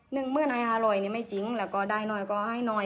หนึ่งหมื่นห้าร้อยนี่ไม่จริงแล้วก็ได้หน่อยก็ให้หน่อย